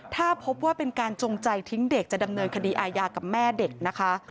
ถ้าพบว่าเป็นการจงใจทิ้งเด็กจะดำเนินคดีอาญากับแม่เด็กนะคะ